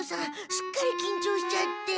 すっかりきんちょうしちゃって。